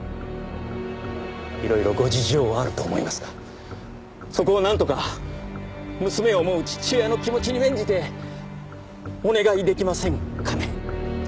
いろいろご事情はあると思いますがそこをなんとか娘を思う父親の気持ちに免じてお願い出来ませんかね？